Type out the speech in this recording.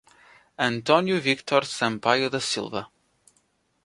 Antônio Victor Sampaio da Silva